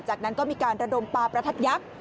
จากนั้นก็มีการระดมปลาประทัดยักษ์